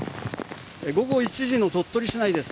午後１時の鳥取市内です。